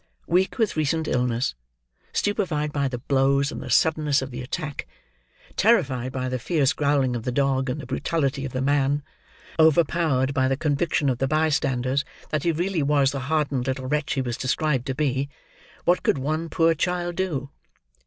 Weak with recent illness; stupified by the blows and the suddenness of the attack; terrified by the fierce growling of the dog, and the brutality of the man; overpowered by the conviction of the bystanders that he really was the hardened little wretch he was described to be; what could one poor child do!